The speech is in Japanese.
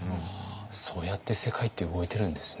そうやって世界って動いてるんですね。